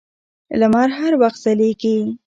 لمر هر وخت ځلېږي.